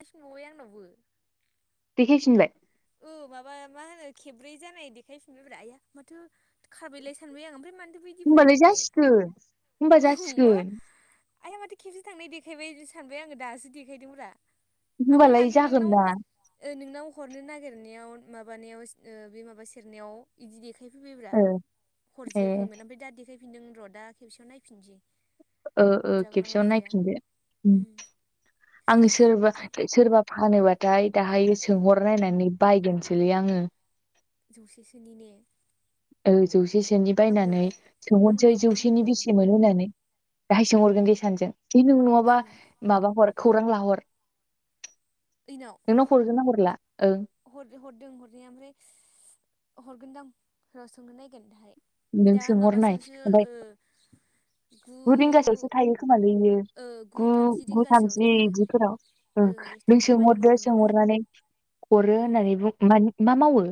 आरो सोंबावबाय आंनावबो। देखायफिनबाय। ओ माबा मा होनो खेबब्रै जानाय देखायफिनबायब्रा आया माथो खारबायलाय सानबाय आं ओमफ्राय मानोथो बिदि होमबालाय फैदोंथाय जासिगोन होमबा औ माबा जासिगोन आया माथो खेबसे थांनाय देखायबाय सानबाय आङो, दासो देखायदोंब्रा। ओमफ्राय होमबालाय मानोथो जागोन नोंनाव ना ओ नोंनाव हरनो नागिरनायाव माबानायाव ओ बे माबा सेरनायाव इदि देखायफैबायब्रा ओ ए हरजायाखैमोन ओमफ्राय दा देखायफिनदों र' दा खेबसेयाव नायफिनसै। ओ ओ हरजागोन ना खेबसेयाव हरजाया नायफिनदो उम आङो सोरबा आरो सोरबा फानोबाथाय दाहायो उम सोंहरनायनानै बायगोनसोलै आङो। जौसेसोनि ने? औ जौसेसोनि आंबो बायनानै आंबो सोंहरसै जौसेनि आंबो बेसे मोनो होननानै। दाहाय उम सोंहरगोन उम दे सानैजों है नों नङाबा ओं माबाहर खौरां लाहर। यैनाव? नोंनाव हरगोना हरला ओं। हर हरदों हरनाया ओमफ्राय हरगोनदां र' सोंहर नायगोन दाहाय। नों दा सोंहरनाय माबासोआवसो ओमफाय ओ गु रिंगासोआवसो थायो खोमालै बियो ओ गु थामजि गु रिंगासोआवसो थामजि थायो इदिफोराव। उम ओं इयावसो नों थायो खामानि सोंहरदो मावोनो ना सोंहरनानै उम हरो होननानै बुं मानि मा मावो?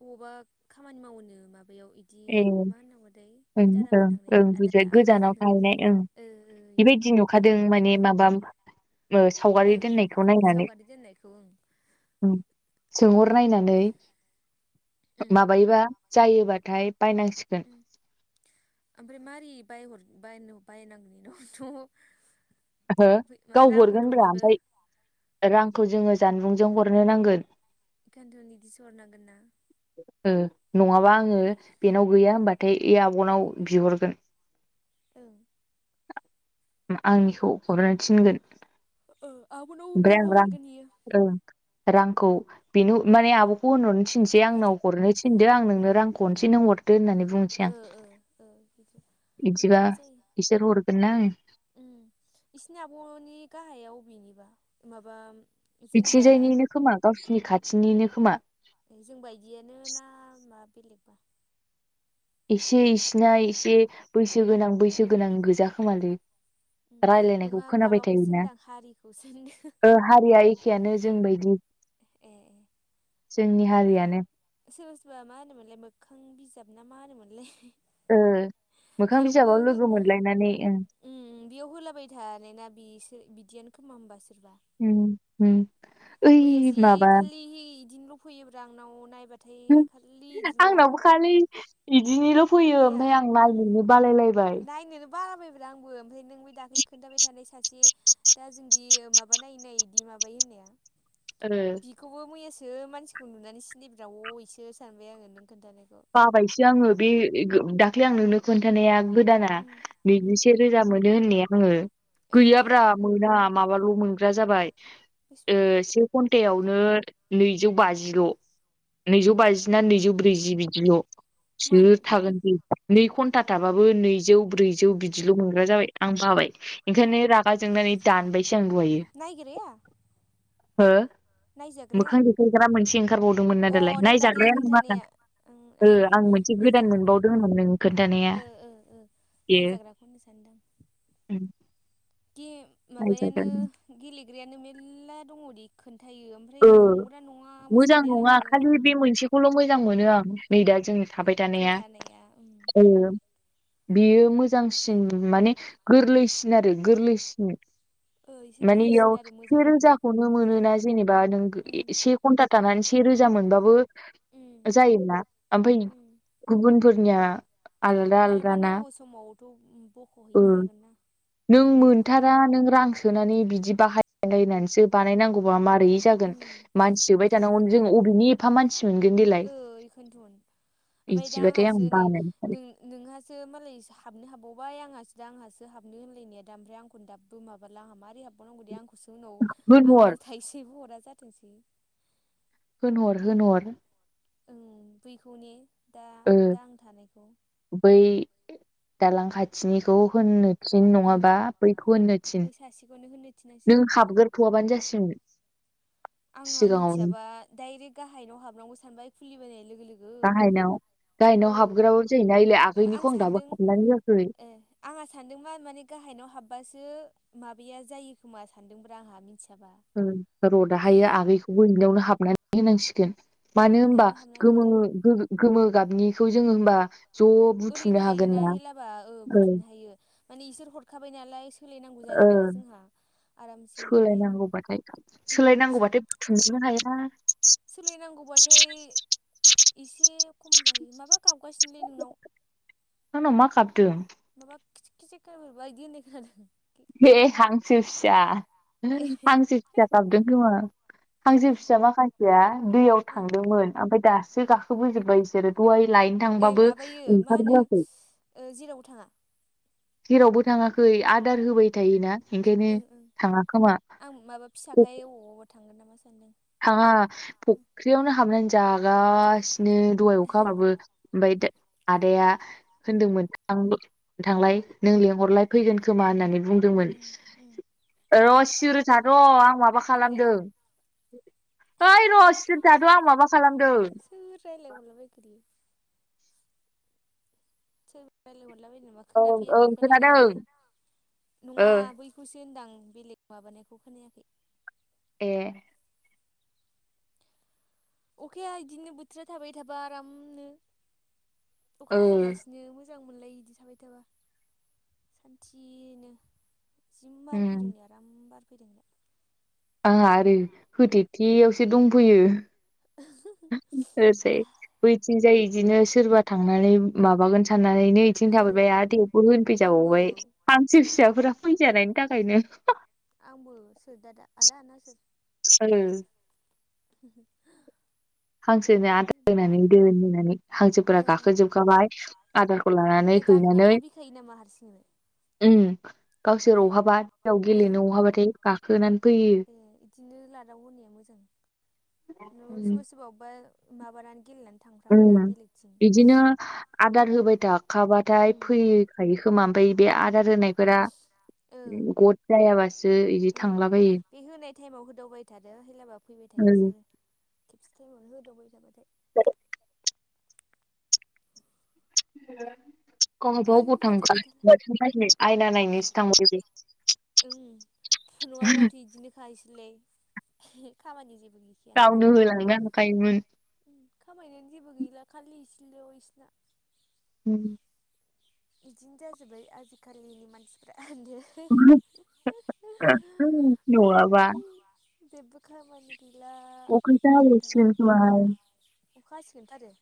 अबावबा खामानि मावोनो माबायाव इ दि ए मा होननांगौथाय ओं इटारामन ओं थांनाय बि ओं बुजिबाय आदाया गोजानाव थाहैनाय ओं ओ ओ इयाव बेबायदि खोमा। नुखादों माने माबा ओ सावगारि ओं दोननायखौ नायनानै सावगारि दोननायखौ ओं। उम सोंहरनायनानै उम माबायोबा जायोबाथाय बायनांसिगोन। [inaudible] ओमफ्राय मारै बायहर बायनो बायनांगौ इनावथ'? हो गाव हरगोनब्रा ओमफाय रांखौ जोङो जानबुंजों हरनो नांगोन। इखायन्थ' इदिसो हरनांगोनना। ओ नङाबा आङो बेनाव गैया होमबाथाय ए आब'नाव बिहरगोन। ओं। आंनिखौ हरनो थिनगोन। ओ आब'नावबो बिहरबा हरगोन इयो। ओंओ रांखौ बिनु माने आब'खौ होनहरनो थिनसै आंनाव हरनो थिनदो आं नोंनो रांखौ हरनोसै नों हरदो होननानै बुं ओ ओ ओ बिदि बिदिबा बिदिबाबो जायो ना बिसोर हरगोन ना आं उम इसिनि आब'नि गाहाया अबेनिबा माबाम बिथिंजायनिनो खोमा गावसोरनि खाथिनिनो खोमा ए जों बायदिआनो ना मा बेलेगबा इसे इसिना एसे बैसो गोनां बैसो गोनां गोजा खोमालै उम रायलायनायखौ नङा खोनाबाय माबाखौसो थायोना होनदां हारिखौसो होनदो ओ हारिया एखेयानो जोंबायदि ए ए जोंनि हारियानो सोरबा सोरबा मा होनोमोनलाय मोखां बिजाब ना मा होनो मोनलाय? ओ मोखां बिजाबाव लोगो मोनलायनानै ओ उम उम बेयाव होलाबाय थानाय ना बिसो बिदियानो खोमा होमबा सोरबा उम उम मैया जि खालि इदिनोल' फैयोब्रा आंनाव नायबाथाय खालि इदिल' आंनावबो खालि इदिनोल' फैयो मैया ओमफाय आं लाजियो नायनोनो बाबाय ब्रा आंबो ओमफाय नों बे दाखलै खोन्थाबाय थानाय सासे दा जोंदि माबा नायै नायै दि माबायो होननाया आरो बिखौबो मैयासो मानसिखौ नुनानै सिनायब्रा अ इसो सानबाय आङो नों खोन्थानायखो बाबायसो आङो बे ए गो दाख्लै आं नोंनो खोन्थानाया गोदाना उम उम नैजिसे रोजा मोनो होननाया आङो ओ ओ गैयाब्रा मोना माबाल' मोनग्रा जाबाय ओ बेसेबां से घन्टायावनो नैजौ बाजिल' नैजौ बाजिना नैजौ ब्रैजि बिदिल' मानो सोर थागोन बि नै घन्टा थाबाबो नैजौ ब्रैजौ बिदिल' मोनग्रा जाबाय आं बाबाय ओंखायनो राग गा जोंनानै दानबायसो आं दहैयो नायग्राया हो नायजाग्राया मोखां देखायग्रा मोनसे ओंखारबावदोंमोन ना अ दालाय नों दाख्लि नायजाग्राया नङा खोन्थानाया दां ओं ओ आं मोनसे गोदान नायजाग्राखौनो मोनबावदों होनहरदों खोन्थानाया ओ ओ ओ बेयो नायजाग्राखौनो सानदों। उम दे माबायानो नायजागोन गेलेग्रायानो मेरला दङ दि खोन्थायो ओ ओमफाय है नंगौना नङा आंबो सानलायलाङो। खौल' मोजां मोनो आं नै दा जों थाबाय जों थानाया उम ओं नोम बेयो मोजांसिन माने गोरलैसिन आरो गोरलैसिन। ओ एसे माने गोरलैसिन इयाव आरो मोजां से रोजाखौनो होमबालाय मोनोना जेने बा नों गो उम ए एसे घन्टा थानानै से रोजा मोनबाबो उम जायोना ओमफाय उम गुबुन फोरनिया मालाबा नांगौ समावथ' उम ओ बख'हैनो हागोन ना नों खुनुरुखुम मोनथारा नों रां सोनानै बिदि बाहायलायनानैसो बानायनांगौबा मारै जागोन उम मानसि सोबाय थानांगौ जों अबेनि एफा मानसि मोनगोन देलाय ओ इखोनथन ओमफाय दा बिदिबाथाय आं आंहासो नै बानो ओंखारो नों नोंहासो मालायस हाबनो हाबावबाय आंहासो दा आंहासो हाबनो होनलायनाया दा ओमफ्राय आंखौनो दाब बो माबाला आंहा माबोरै हाबबावनांगौ दे आंखौसो उनाव आंनो होनहर थाइसेबो हरा जाथोंसै। होनहर होनहर ओं बैखौने दा ओ दा आं थानायखौ बै दालां खाथिनिखौ होननो थिन उम नङाबा बैखौ होननो थिन ओइ सासेखौनो होननो नों थिनांसिगोन हाबगोर थआबानो जासैमोन। आंहा मिथियाबा डाइरेक्ट गाहायनाव हाबनांगौ सानबाय खुलिबोनाय लोगो लोगो। गाहायनाव ओ गाहायनाव हाबगोराबाबो जायोना एैलाय आगैनिखौ आं दाबो खालामनानै होयाखै। ए आंहा सानदों मा माने गाहायनाव हाबबासो माबाया जायो खोमा सानदोंब्रा आंहा मिथियाबा। उम र दाहायो आगैखौबो इनियावनो हाबनानै होनांसिगो गोन उम मानो होमबा इनावनो हाबनानै गोमो होदो गो गोमो गाबनिखौ जोङो होमबा ज' ओरैनो बुथुमनो हागोन थायोना ना हेलाबा ओ बुथुमनो हायो माने इसोर हरखाबाय नालाय। सोलायनांगौ जाला ओ नालाय जोंहा आरामसे मोनबाय उम सा थुंस' हायोना सोलायनांगौबाथाय एसे खम जाहैयो माबा गाबगासिनोलै नोंनाव। आंनाव मा गाबदों? माबा खिथिख खिथिख बायदि होननाय खोनादों। ए हांसो फिसा ए हांसो फिसा गाबदों खोमा ए हांसो फिसा माखासेया दैयाव ओं थांदोंमोन ओमफाय दासो गाखोबोजोबबाय बिसोरो। दहाय लायनो ए थांबाबो माबायो मा होनो ओंखारबोआखै। ओ जेरावबो थाङा जेरावबो थाङाखै आदार होबाय थायोना। ओंखायनो ओं ओं थाङा खोमा आं माबा फिसाखाय अबावबा थांगोन नामा सानदों। थाङा फख्रियावनो हाबनानै जागासिनो दहाइ अखा हाबाबो। ओमफाय दा आदाया उम होनदोंमोन थांलाय नों लेंंहरलाय फैगोन खोमा होननानै बुं दोंमोन उम उम र' फैदों सिरि थाथ'आं माबा फैदों खालामदों। ओइ र' सिरि थाथ'आं माबा खालामदों। होआ रायलाय हरला बायखायो सोर रायलायहरलाबायनोबा ओं खोनाफैयाखै ओं खोनादों खोनानायालाय ओ नङा बै सो होनदांं बेलेग माबानायखौ खोनायाखै। ए। अखाया इदिनो बोथोरा थाबाय थाबा आरामनो ओ अखा हायालासिनो मोज मोजां मोनलायो बिदि थाबाय थाबा सान्थिनो। जि मार उम फैदोंलै आराम बार फैदों। आंहा आरो होथेथियावसो दंफैयो ओर जाय बैथिंजाय बिदिनो सोरबा थांनानै माबागोन साननानैनो बिथिं ओ थाफैबाय आरो बेयावबो आंबो होनफैजाबावबाय हांसो फिसाफोरा फैजानायनि थाखायनो आंबो सोर दा- दा आदा ना सोर? सोर? [unintelligible] हांसोनो आदार होनानै आदाफोरा दोननानै हांसोफोरा ओ ओ गाखोजोबखाबाय आदार ए गाखोनानै थाफैखायो नामा हारसिंनो ओम गावसोर ए ओ अहाबा दैयाव गेलेनो अहाबाथाय गाखोनानै फैयो। ए इदिनो लादाव होनाया मोजां न सोरबा सोरबा अबबा माबानानै गेलेनानै थांफ्राङोना बेलेग इदिनो आदार होबाय थाखाबाथाय फैखायो खोमा ओमफाय बे उम आदार होनायफोरा गथ जायाबासो इदि ओं थांलाबायो बे होनाय टाइमाव होदावबाय थादो होलाबा फैबाय थायो इसोरो। खेबसेटाइमावनो होदावबाय थाबाथाय। जादो। गावहाबा अबाव आयौ माथो थांखो गैथारला आयना नायनोसो थांबाय बि। ओं नङाबा माथो बिदिनोखा इसोरलाय खामानि जेबो गै गावनो होलांनो हाखायोमोन। उम खामायनियानो जेबो गैला खालि इसेल' इसिना। उम इदिनो जाजोब्बाय आजिखालिनि मानसिफ्रा होनदो। उम नंङाबा। जेब्बो खामानि गैला अखासो ओरैनो हाबावसिगोन थाबायथा। खोमाहाय अखा हासिगोनथ'आरो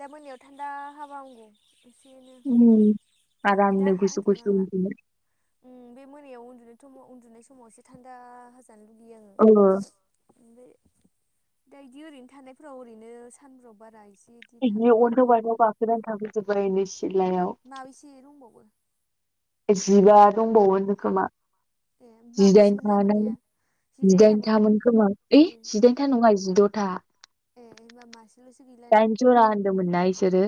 दा मोनायाव थान्दा हाबा हामगौ एसेनो। उम दा आरामनो गुसु गुसु हाथ'नांला उन्दुनो। उम बे मोनायाव उन्दुनाय थमाव उन्दुनाय समाव एसे थान्दा हाजानो लुगैयो आङो। ओ ओमफाय दा इदि ओरैनो थानायफोराव ओरैनो सानफ्राव बारा इसे जि अनथाव बाथाव गाखोनानै थाफैजोब्बाय एनै सिलायाव। माबैसे दंबावो? जिबा दंबावो होनदों खोमा ए जिदाइन माबैसेमोन खामोननानो। लाबोनाया जिदाइनथामोन खोमा ओइ ए जिदाइनथा नङा जिद'था। ए होमबा मास दाइनजरा होन्दोंमोनना इसोरो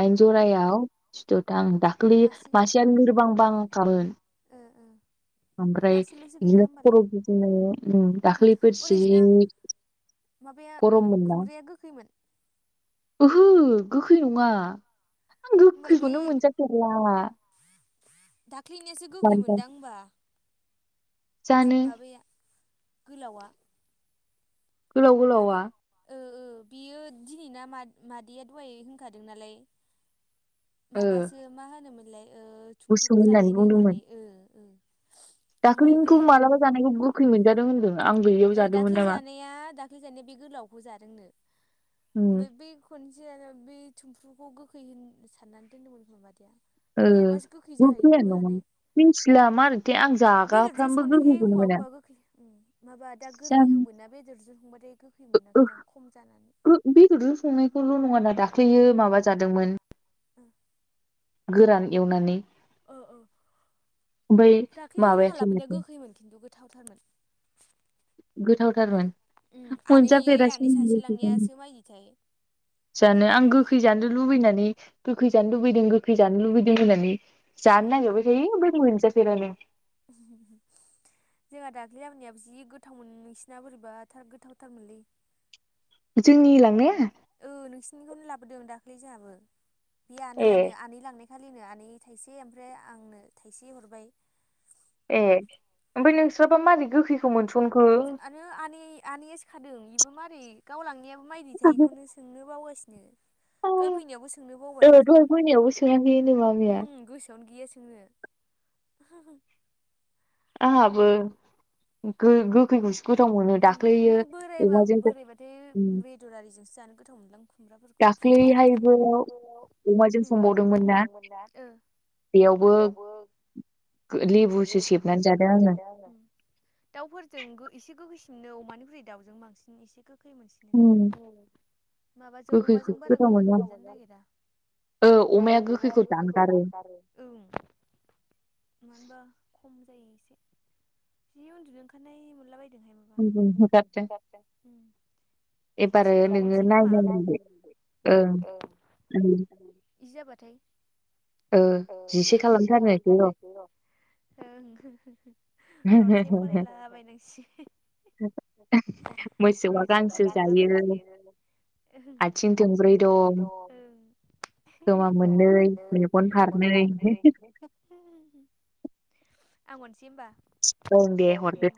ओ जिद'था ओं दाख्लैयो मासेयानो लोरबां बां खामोन। ओ ओ। ओमफ्राय मासेल'सो गैला इदिनो खर' होमबालाय गिदिङो उम दाख्लैफोर अ नोंसिना सिरिनि माबाया खुमब्राया गोखैमोन? ओहो गोखै नङा आं होमबालाय बै गोखैखौनो मोनजाफेरला। दाख्लैनियासो मानोबा गोखैमोनदां होमबा। थु जानो माबाया गोलावा। गोलाव गोलावा। दाख्लै ओ ओ बियो दिनैना मा-मादैया दहाय होनखादों नालाय। ओ माबासो मा होनोमोनलाय ओ गुसु थुमफ्रुखौ जानायनो बुंदोंमोन होननानै ओ ओ। होमबालाय दाख्लैनिखौ गोखै मालाबा जानायखौ गोखै मोनजादों होनदों। आं गैयियाव ओ जादोंमोन दाख्लै नामा जानाया दाख्लै जानाया बे गोलावखौ जादोंनो उम ओमफ्राय बै खनसे आरो बे थुमफ्रुखौ गोखै होन सानना दोनदोंमोन मादैया। ओ देरबासो गोखै जाहैनोबो गोखैयानो हानाय नङा मिथिला मारैथाय आं बेदरजों जागाफ्रामबो संनायखाय गोखैखौनो अवा मोना अखा गोखै माबा दा गोरलै जानो हांमोन ना बेदरजों संबाथाय गोखै ओ मोनाखैदां खम जानानै। बेदरजों संनायखौल नङाना दाख्लैयो माबा जादोंमोन। आ। गोरान एवनानै ओ ओ ओमफाय दाख्लै जोंहा माबायाखै लाबोनाया माथो गोखैमोन खिन्थु गोथावथारमोन। गोथावथारमोन उम आनै ओइ आनै सासे मोनजाफेरासैनो। लांनायासो मायदिथाय जानो आं गोखै जानो लुबैनानै गोखै जानो लुबैदों गोखै जा लुबैदों होननानै उम जानो नागिरबाय थायो ओमफ्राय मोनजा फेरानो। [inaudible] जोंहा दाख्लै लाबोनायाबो जि गोथावमोन नोंसिना बोरैबा गोथावथारमोनलै। जोंनि लांनाया ओ नोंसिनिखौनो लाबोदों दाख्लै जोहाबो बे ए आनैयानो आनै लांनाय खालिनो आनै थाइसे ओमफ्राय आंनो थाइसे हरबाय। ए ओमफ्राय नोंस्राबा मारै गोखैखो मोनसनखो नो आनै आनैआसो खादों इबो मारै गाव लांनायाबो मायदि थाय इखौनो सो सोंनो बावगासिनो ओ दहाय फैनायावबो सोंनो बावबाय दहाय मोनायावबो सो [unintelligible] उमहो गोसोआवनो गैया सोंनो। आहाबो। गो गोखैखौसो गोथाव मोनो ओम दाख्लैयो अमाजों उम। दुदालिजोंसो जानो गोथाव मोनलां। खुमब्राफोरखौ दाख्लैहायबो दाख्लैहाय बैयाव अमाजों संबावदोंमोन ना ओ। बेयावबो लिबुसो सिबनानै जादों आङो। दाउफोरजों गो एसे गोखैसिननो अमानिफ्राइ दाउजों बांसिन एसे गोखै उम मोनसि माबाजों गोखैखौ अमाजों बारा गोथाव गोखै मोनो मोनजानो नागिरा। ओ अमाया गोखैखौ दानगारो। ओं मानोबा खम जायो एसे जि उन्दु ओंखा बानाय मोनला बायदोंहाय उन्दुनो होगारदों माबा [unintelligible] एबारो खेबसे नोङो हरबावनोसै नामा नायनांगोन ने ओं ओ ओं यि जाबाथाय ओ जिसे एसे खालामथारनोसै र' खालामथारनो र। ओं रनसाय फरायला बायनांसि हो र आं इसे फरायहरला जायो बायनोसै। आथिं थोंब्रै दं ओं खोमा मोननै मेगन फारनै [unintelligible] आं हरनोसै होनबा? ओं दे हरदो।